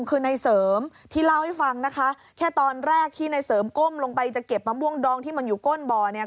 คือในเสริมที่เล่าให้ฟังนะคะแค่ตอนแรกที่ในเสริมก้มลงไปจะเก็บมะม่วงดองที่มันอยู่ก้นบ่อเนี่ย